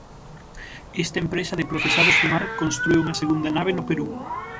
Esta empresa de procesados do mar constrúe unha segunda nave no Perú.